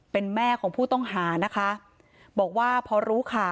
เป็นแม่ของผู้ต้องหานะคะบอกว่าพอรู้ข่าว